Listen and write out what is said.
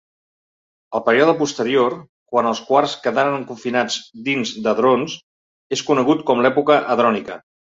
El període posterior, quan els quarks quedaren confinats dins d'hadrons, és conegut com l'època hadrònica.